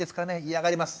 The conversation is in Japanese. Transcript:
嫌がります。